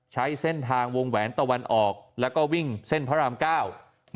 ใช้เส้นทางวงแหวนตะวันออกแล้วก็วิ่งเส้นพระรามเก้า